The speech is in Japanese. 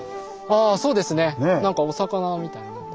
あそうですねなんかお魚みたいなのを。